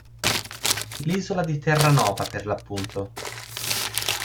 L'isola di Terranova per l'appunto.